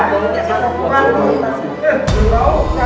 dulu orang kelas pengaway tu technological